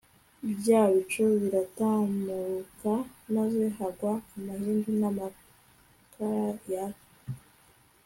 bya bicu biratamuruka, maze hagwa amahindu n'amakara yaka